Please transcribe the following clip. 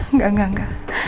enggak enggak enggak